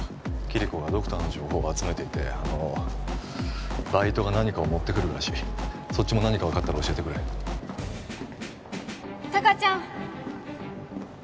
キリコがドクターの情報を集めていてあのバイトが何かを持ってくるらしいそっちも何か分かったら教えてくれ貴ちゃん！